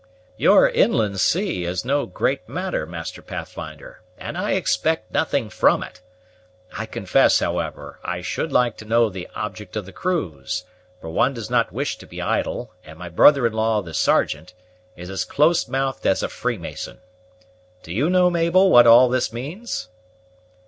"Your inland sea is no great matter, Master Pathfinder, and I expect nothing from it. I confess, however, I should like to know the object of the cruise; for one does not wish to be idle, and my brother in law, the Sergeant, is as close mouthed as a freemason. Do you know, Mabel, what all this means?"